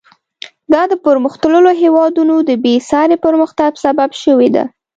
دا د پرمختللو هېوادونو د بېساري پرمختګ سبب شوې ده.